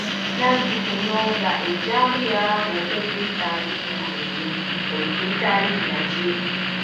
Nazzi kuno nga ejjambiya bw'otogiyita linnya eryo ogiyita linnya ki?